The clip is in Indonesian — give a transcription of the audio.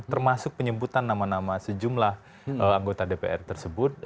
termasuk penyebutan nama nama sejumlah anggota dpr tersebut